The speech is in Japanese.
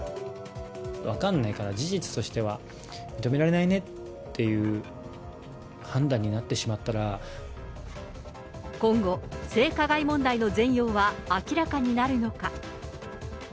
分かんないから事実としては認められないねっていう判断にな今後、性加害問題の全容は明らかになるのか。